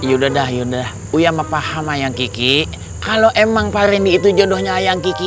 udah udah udah udah mah paham ayam kiki kalau emang pari itu jodohnya yang kiki